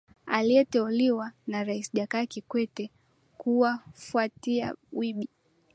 aliyeteuliwa na rais jakaya kikwete kufwatia wibi